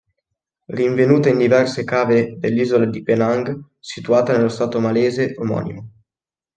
Rinvenuta in diverse cave dell'isola di Penang, situata nello Stato malese omonimo.